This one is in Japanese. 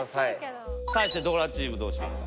対してドラチームどうしますか？